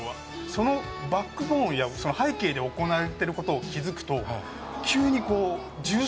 そのバックボーンや、その背景で行われてる事を気付くと。